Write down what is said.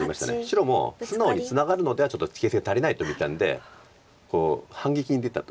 白も素直にツナがるのではちょっと形勢足りないと見たんで反撃に出たと。